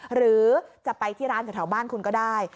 หรือจะไปที่ร้านแถวบ้านคุณก็ได้